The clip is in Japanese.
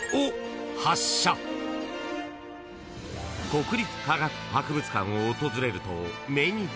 ［国立科学博物館を訪れると目に付くのが］